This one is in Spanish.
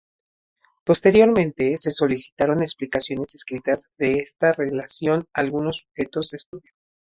Posteriormente, se solicitaron explicaciones escritas de esta relación a algunos sujetos de estudio.